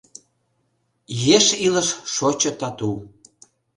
Еш илыш шочо тату.